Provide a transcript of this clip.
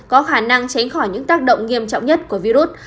có khả năng tránh khỏi những tác động nghiêm trọng nhất của virus